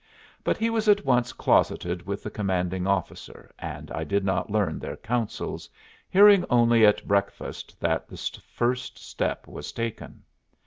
But he was at once closeted with the commanding officer, and I did not learn their counsels, hearing only at breakfast that the first step was taken.